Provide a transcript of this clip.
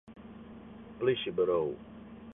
Plysjeburo.